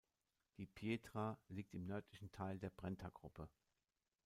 Die Pietra liegt im nördlichen Teil der Brentagruppe.